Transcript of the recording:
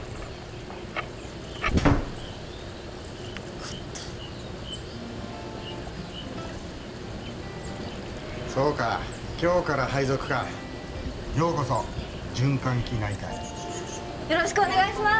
勝ったそうか今日から配属かようこそ循環器内科へよろしくお願いします